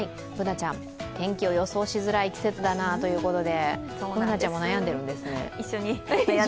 Ｂｏｏｎａちゃん、天気を予想しづらい季節だなということでＢｏｏｎａちゃんも悩んでるんですね。